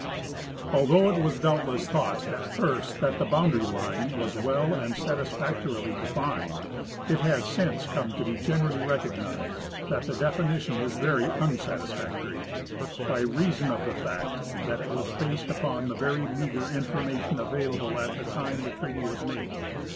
Although it was doubtless thought at first that the bound ary line was well and satisfactorily defined, it has since come to be generally recognized that the definition is very unsatisfactory, by^reason of the fact that it was based upon the very meager information available at the time the treaty was made.